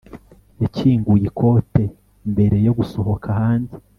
yakinguye ikote mbere yo gusohoka hanze